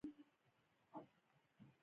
دوی د پښتنو پر ضد د انګریزي انتقام مورچل دی.